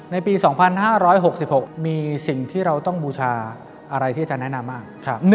ในปี๒๕๖๖มีสิ่งที่เราต้องบูชาอะไรที่อาจารย์แนะนำมาก